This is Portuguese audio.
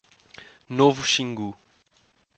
Novo Xingu